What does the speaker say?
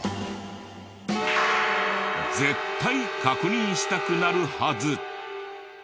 絶対確認したくなるはず！